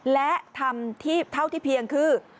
และทำที่เท่าที่เพียงคือ